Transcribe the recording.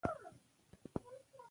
د مشرتابه چلند اغېز لري